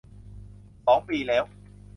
สองปีแล้ว